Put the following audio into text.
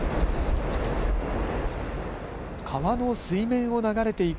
川の水面を流れていく